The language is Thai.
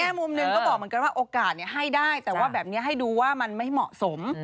มุมหนึ่งก็บอกเหมือนกันว่าโอกาสให้ได้แต่ว่าแบบนี้ให้ดูว่ามันไม่เหมาะสม